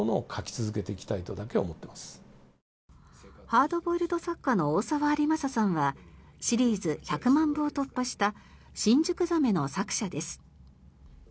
ハードボイルド作家の大沢在昌さんはシリーズ１００万部を突破した「新宿鮫」の作者です。